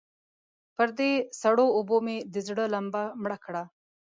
پر دې سړو اوبو مې د زړه لمبه مړه کړه.